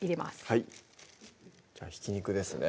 はいじゃあひき肉ですね